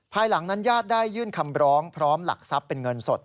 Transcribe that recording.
ภายหลังนั้นญาติได้ยื่นคำร้องพร้อมหลักทรัพย์เป็นเงินสด